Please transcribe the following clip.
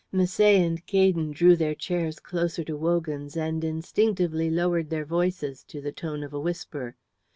Misset and Gaydon drew their chairs closer to Wogan's and instinctively lowered their voices to the tone of a whisper.